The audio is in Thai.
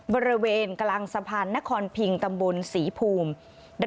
บริเวณกลางสะพานนครพิงตำบลศรีภูมิ